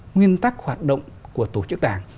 nguyên tắc hoạt động của tổ chức đảng